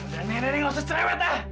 nenek nenek nggak usah cerewet ah